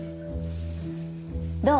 どう？